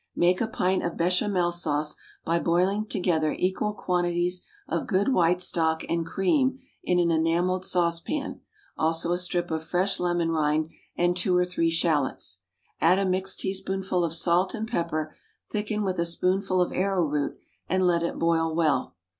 Make a pint of Béchamel sauce by boiling together equal quantities of good white stock and cream in an enamelled saucepan, also a strip of fresh lemon rind and two or three shallots. Add a mixed teaspoonful of salt and pepper, thicken with a spoonful of arrowroot, and let it boil well.